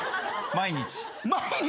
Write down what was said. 毎日？